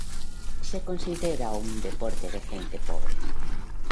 Se considera un deporte de gente pobre.